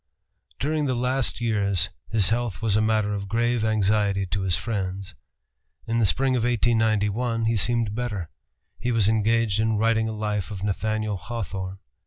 During the last years his health was a matter of grave anxiety to his friends. In the spring of 1891 he seemed better. He was engaged in writing a life of Nathaniel Hawthorne.